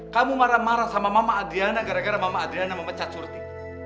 sama mama adriana gara gara mama adriana memecat surti